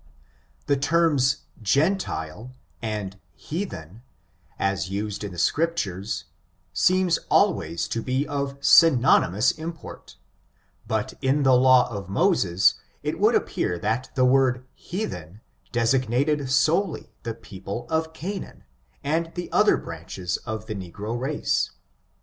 The terms gentile and heathen, as used in the Scriptures, seems always to be of synonymous import; but in the law of Moses it would appear that the word heathen designated solely the people of Canaan, and the other branches of the negro race.